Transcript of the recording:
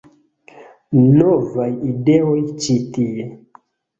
- Novaj ideoj ĉi tie